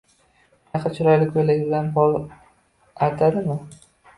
Shunaqa chiroyli ko`ylak bilan pol artadimi